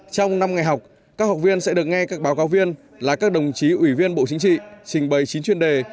trong năm ngày học các học viên sẽ được nghe các báo cáo viên là các đồng chí ủy viên bộ chính trị trình bày chín chuyên đề